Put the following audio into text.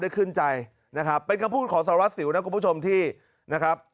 ขึ้นใจนะครับเป็นคำพูดของสารวัสสิวนะคุณผู้ชมที่นะครับ